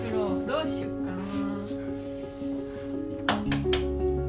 どうしよっかな。